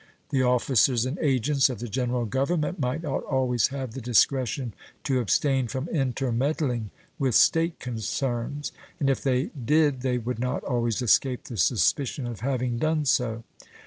The officers and agents of the General Government might not always have the discretion to abstain from intermeddling with State concerns, and if they did they would not always escape the suspicion of having done so.